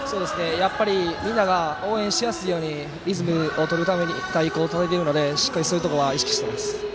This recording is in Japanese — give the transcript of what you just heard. みんなが応援しやすいようにリズムを取るために太鼓をたたいているのでそういうところは意識してます。